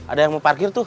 ada yang mau parkir tuh